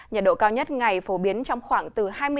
nhiệt độ cao nhất ngày phổ biến trong khoảng từ hai mươi ba